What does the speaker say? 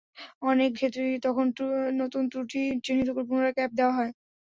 অনেক ক্ষেত্রেই তখন নতুন ত্রুটি চিহ্নিত করে পুনরায় ক্যাপ দেওয়া হয়।